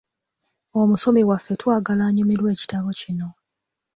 Omusomi waffe twagala anyumirwe ekitabo kino.